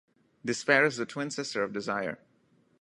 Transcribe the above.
Despair is the twin sister of Desire.